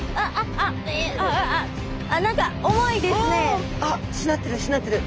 おお！あっしなってるしなってる。